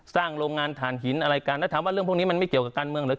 โรงงานฐานหินอะไรกันแล้วถามว่าเรื่องพวกนี้มันไม่เกี่ยวกับการเมืองหรือ